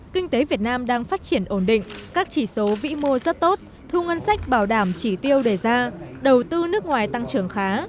kinh tế việt nam đang phát triển ổn định các chỉ số vĩ mô rất tốt thu ngân sách bảo đảm chỉ tiêu đề ra đầu tư nước ngoài tăng trưởng khá